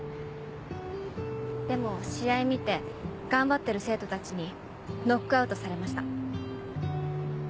でも試合見て頑張ってる生徒たちにノックアウトされました。